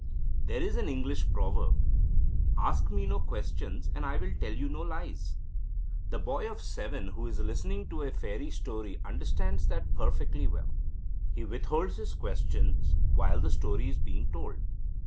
There is an English proverb; "Ask me no questions, and I will tell you no lies." The boy of seven who is listening to a fairy story understands that perfectly well; he withholds his questions, while the story is being told.